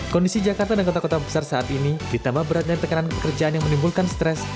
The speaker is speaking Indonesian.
kondisi jakarta dan kota kota besar saat ini ditambah beratnya tekanan pekerjaan yang menimbulkan stres